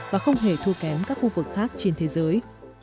và không hề thua kém các khu vực khác trên thế giới